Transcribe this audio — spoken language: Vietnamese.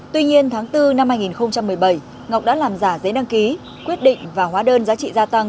tuy nhiên tháng bốn năm hai nghìn một mươi bảy ngọc đã làm giả giấy đăng ký quyết định và hóa đơn giá trị gia tăng